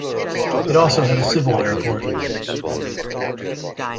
It also had a civil airport.